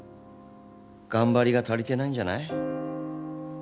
頑張りが足りてないんじゃない？